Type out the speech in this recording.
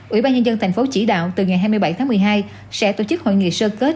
ủy ban nhân dân thành phố chỉ đạo từ ngày hai mươi bảy tháng một mươi hai sẽ tổ chức hội nghị sơ kết